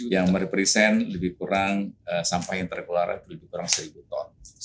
yang merepresen lebih kurang sampah yang terkelar itu lebih kurang seribu ton